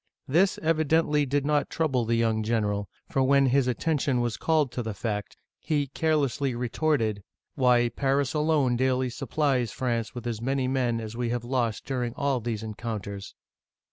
This evidently did not trouble the young general, for when his attention was called to the fact, he carelessly retorted, "Why, Paris alone daily supplies France with as many men as we have lost during all these encounters